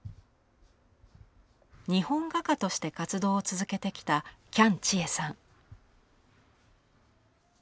日本画家として活動を続けてきた喜屋武千恵さん。